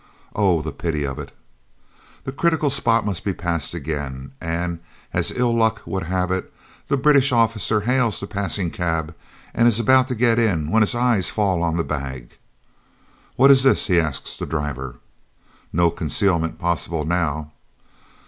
Oh, the pity of it! The critical spot must be passed again, and, as ill luck would have it, the British officer hails the passing cab and is about to get in, when his eye falls on the bag. "What is this?" he asks the driver. No concealment possible now!